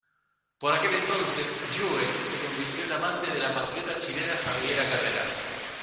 Por aquel entonces, Jewett se convirtió en amante de la patriota chilena Javiera Carrera.